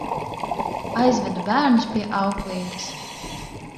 Aizvedu bērnus pie auklītes.